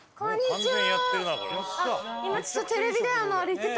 こんにちは。